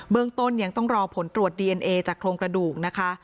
เรื่องต้นยังต้องรอผลตรวจดีเอ็นเอจากโครงกระดูกนะคะ